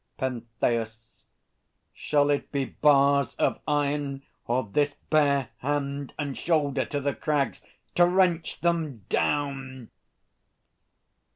PENTHEUS. Shall it be bars of iron? Or this bare hand And shoulder to the crags, to wrench them down?